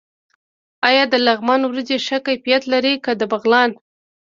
آیا د لغمان وریجې ښه کیفیت لري که د بغلان؟